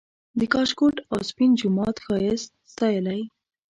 د کاشکوټ او سپین جومات ښایست ستایلی